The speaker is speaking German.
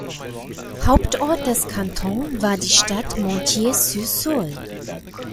Hauptort des Kantons war die Stadt Montiers-sur-Saulx.